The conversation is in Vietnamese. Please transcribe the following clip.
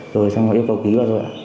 rồi xong rồi yêu cầu ký vào rồi ạ